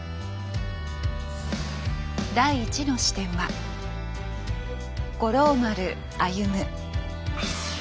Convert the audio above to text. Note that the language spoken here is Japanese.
第１の視点は五郎丸歩。